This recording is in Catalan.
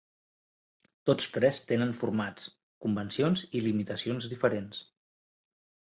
Tots tres tenen formats, convencions i limitacions diferents.